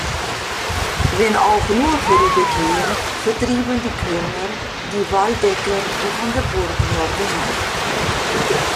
Wenn auch nur vorübergehend vertrieben die Kölner die Waldecker von der Burg Nordenau.